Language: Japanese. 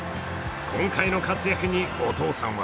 今回の活躍にお父さんは